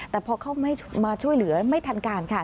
แต่พอเข้ามาช่วยเหลือไม่ทันการค่ะ